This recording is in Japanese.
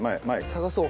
探そう。